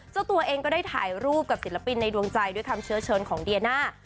เจ้าตัวเองก็ได้ถ่ายรูปกับศิลปินในดวงใจด้วยคำเชื้อเชิญของเดียน่า